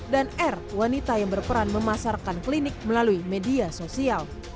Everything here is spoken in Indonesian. r wanita yang berperan memasarkan klinik melalui media sosial